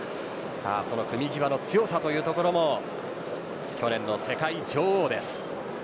組み際の強さというところも去年の世界女王です。